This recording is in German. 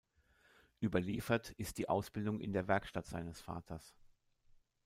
Überliefert ist die Ausbildung in der Werkstatt seines Vaters.